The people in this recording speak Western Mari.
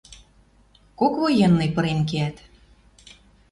Кок военный пырен кеӓт